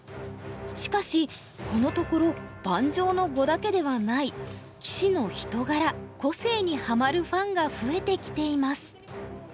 しかしこのところ盤上の碁だけではない棋士の人柄・個性にハマるファンが増えてきています。